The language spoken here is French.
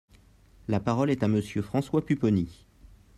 La parole est à Monsieur François Pupponi.